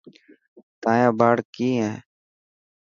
تايان ٻاڙ ڪئي هي.